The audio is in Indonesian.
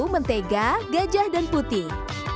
mentega gajah dan putih